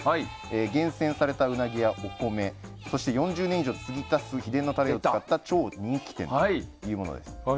厳選されたウナギやお米そして、４０年以上つぎ足す秘伝のタレを使った超人気店というものです。